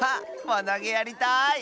わなげやりたい！